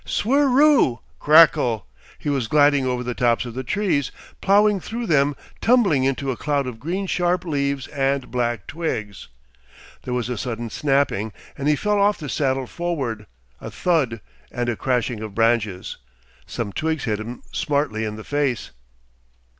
Swirroo! Crackle! He was gliding over the tops of the trees, ploughing through them, tumbling into a cloud of green sharp leaves and black twigs. There was a sudden snapping, and he fell off the saddle forward, a thud and a crashing of branches. Some twigs hit him smartly in the face....